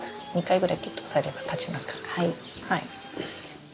２回ぐらいきゅっと押さえれば立ちますから。